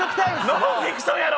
『ノンフィクション』やろ！